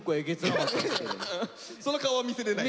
その顔は見せれない。